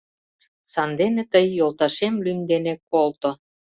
Сандене тый йолташем лӱм дене колто.